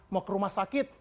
mau ke rumah sakit